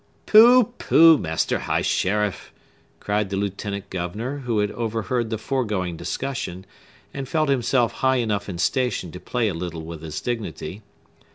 "Pooh, pooh, master high sheriff!" cried the lieutenant governor, who had overheard the foregoing discussion, and felt himself high enough in station to play a little with his dignity.